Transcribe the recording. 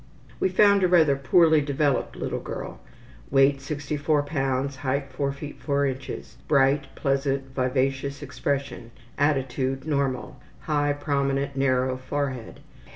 We found a rather poorly developed little girl. Weight 64 lbs.; height 4 ft. 4 in. Bright, pleasant, vivacious expression. Attitude normal. High, prominent, narrow forehead.